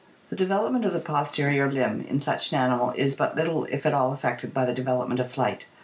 The de velopment of the posterior limb in such an animal is but little if at all affected by the development of flight.